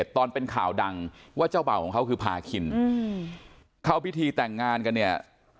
ตอนเป็นข่าวดังว่าเจ้าเบ่าของเขาคือพาคินเข้าพิธีแต่งงานกันเนี่ย